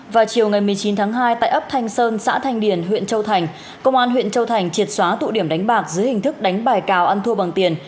vào chiều ngày một mươi chín tháng hai tại ấp thanh sơn xã thanh điền huyện châu thành công an huyện châu thành triệt xóa tụ điểm đánh bạc dưới hình thức đánh bài cào ăn thua bằng tiền